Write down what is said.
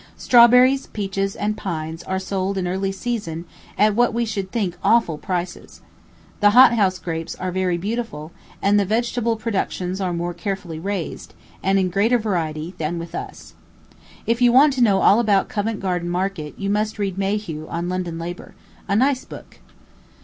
Strawberries, peaches, and pines are sold in early season at what we should think "awful" prices. The hothouse grapes are very beautiful, and the vegetable productions are more carefully raised, and in greater variety, than with us. If you want to know all about Covent Garden Market, you must read Mayhew on London Labor a nice book.